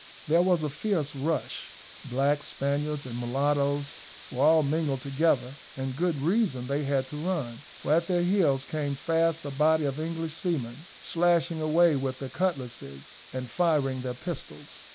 There was a fierce rush, blacks, Spaniards, and mulattoes were all mingled together; and good reason they had to run, for at their heels came fast a body of English seamen, slashing away with their cutlasses, and firing their pistols.